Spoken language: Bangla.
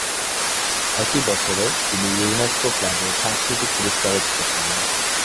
একই বছর তিনি ইউনেস্কো ক্লাবে সাংস্কৃতিক পুরস্কারও জিতেছিলেন।